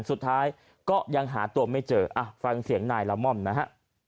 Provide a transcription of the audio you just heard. สุดท้ายก็ยังหาตัวไม่เจอฟังเสียงนายละม่อมนะฮะ